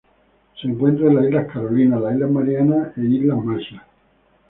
Se encuentran en las Islas Carolinas, las Islas Marianas e Islas Marshall.